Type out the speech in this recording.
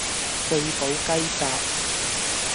四寶雞扎